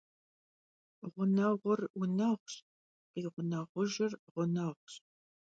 Ğuneğur vuneğuş, khiğuneğujjır ğuneğuş.